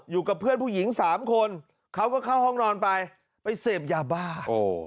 อยู่กับเพื่อนผู้หญิงสามคนเขาก็เข้าห้องนอนไปไปเสพยาบ้า